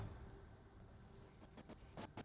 selamat siang renhard